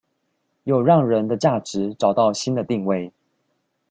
又讓人的價值找到新的定位